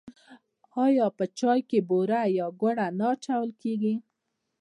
آیا په چای کې بوره یا ګوړه نه اچول کیږي؟